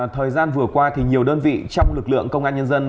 thời gian vừa qua nhiều đơn vị trong lực lượng công an nhân dân